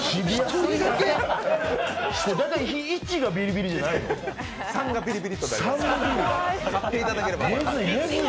大体１がビリビリじゃないの？